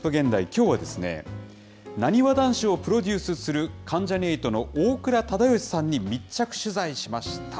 きょうはですね、なにわ男子をプロデュースする、関ジャニ∞の大倉忠義さんに密着取材しました。